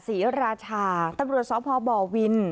ศรีราชาตำรวจสพบวิน